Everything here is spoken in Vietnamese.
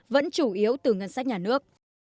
vẫn chủ yếu từ ngân sách nhà nước